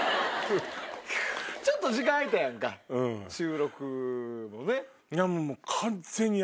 ちょっと時間空いたやんか収録もね。